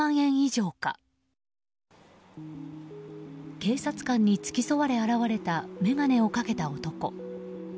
警察官に付き添われ現れた眼鏡をかけた男。